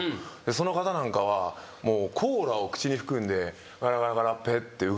その方なんかはもうコーラを口に含んでガラガラガラペッてうがいするんですよ。